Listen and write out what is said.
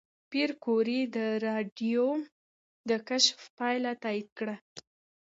پېیر کوري د راډیوم د کشف پایله تایید کړه.